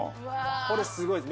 これすごいです。